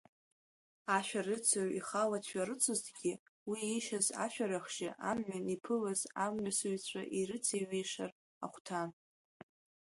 Ашәарыцаҩ ихала дшәарыцозҭгьы, уи ишьыз ашәарахжьы амҩан иԥылаз амҩасыҩцәа ирыцеиҩишар ахәҭан.